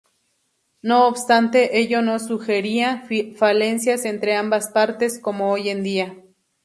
No obstante, ello no sugería falencias entre ambas partes, como hoy en día.